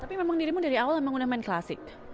tapi memang dirimu dari awal memang udah main klasik